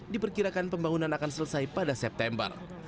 diperkirakan pembangunan akan selesai pada september